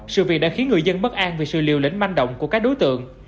sự việc đã khiến người dân bất an vì sự liều lĩnh manh động của các đối tượng